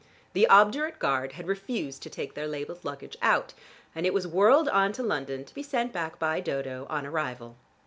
The obdurate guard had refused to take their labeled luggage out, and it was whirled on to London to be sent back by Dodo on arrival.